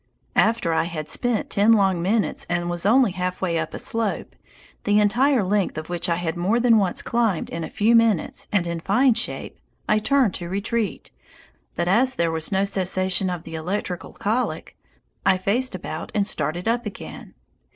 After I had spent ten long minutes and was only half way up a slope, the entire length of which I had more than once climbed in a few minutes and in fine shape, I turned to retreat, but as there was no cessation of the electrical colic, I faced about and started up again.